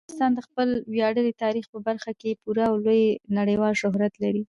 افغانستان د خپل ویاړلي تاریخ په برخه کې پوره او لوی نړیوال شهرت لري.